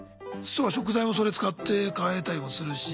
食材もそれ使って買えたりもするし。